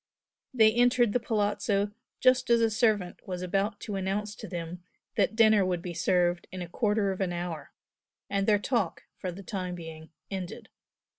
They entered the Palazzo just as a servant was about to announce to them that dinner would be served in a quarter of an hour, and their talk, for the time being, ended.